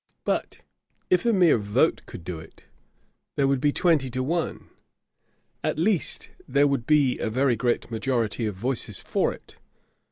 But, if a mere vote could do it, there would be twenty to one; at least, there would be a very great majority of voices for it.